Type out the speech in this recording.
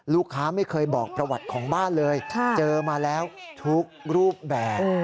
ลูกค้าไม่เคยบอกประวัติของบ้านเลยเจอมาแล้วทุกรูปแบบ